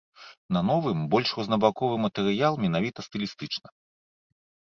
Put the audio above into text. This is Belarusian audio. На новым больш рознабаковы матэрыял менавіта стылістычна.